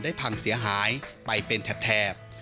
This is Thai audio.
พังเสียหายไปเป็นแถบ